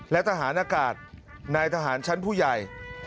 และทหารอากาศนายทหารชั้นผู้ใหญ่